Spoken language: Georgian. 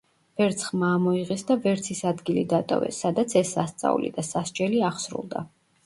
ვერც ხმა ამოიღეს და ვერც ის ადგილი დატოვეს, სადაც ეს სასწაული და სასჯელი აღსრულდა.